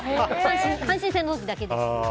阪神戦だけです。